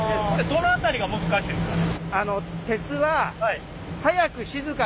どの辺りが難しいんですかね？